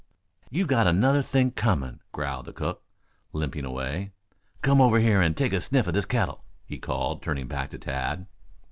"You got another think coming," growled the cook, limping away. "Come over here and take a sniff at this kettle?" he called, turning back to Tad.